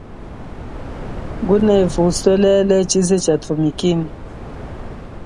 Ngunevu uswelele chize cha tumikine.